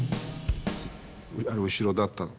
あの後ろだったのか。